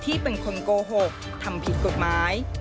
ที่เป็นคนโกหกทำผิดกฎหมาย